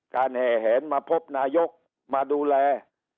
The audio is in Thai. แห่แหนมาพบนายกมาดูแล